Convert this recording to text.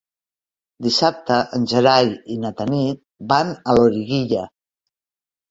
Dissabte en Gerai i na Tanit van a Loriguilla.